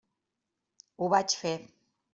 Ho vaig fer.